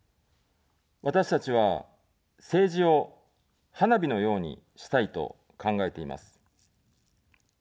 私たちは、政治を花火のようにしたいと考えています。